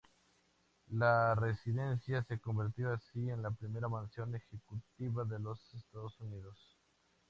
La residencia se convirtió así en la primera mansión ejecutiva de Estados Unidos.